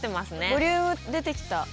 ボリューム出てきた。